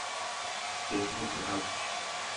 Κι έφυγε τρεχάτος.